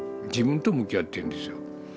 自分と向き合ってるんですよ。